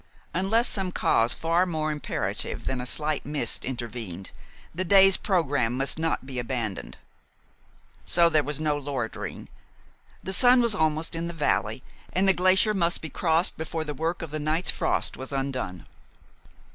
Unless some cause far more imperative than a slight mist intervened, the day's programme must not be abandoned. So there was no loitering. The sun was almost in the valley, and the glacier must be crossed before the work of the night's frost was undone.